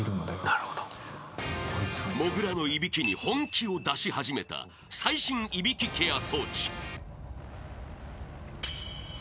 ［もぐらのいびきに本気を出し始めた最新いびきケア装置］